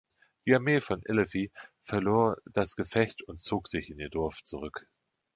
Die Armee von Ilafy verlor das Gefecht und zog sich in ihr Dorf zurück.